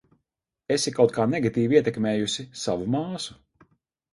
Esi kaut kā negatīvi ietekmējusi savu māsu.